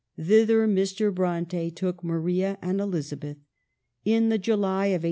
Thither Mr. Bronte took Maria and Elizabeth in the July of 1824.